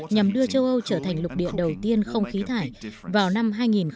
châu âu trở thành lục địa đầu tiên không khí thải vào năm hai nghìn năm mươi